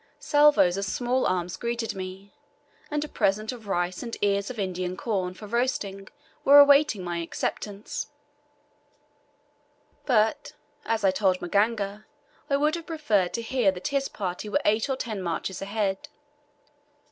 Salvos of small arms greeted me, and a present of rice and ears of Indian corn for roasting were awaiting my acceptance; but, as I told Maganga, I would have preferred to hear that his party were eight or ten marches ahead.